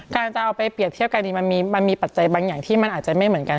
การจะเอาไปเปรียบเทียบกันดีมันมีปัจจัยบางอย่างที่มันอาจจะไม่เหมือนกัน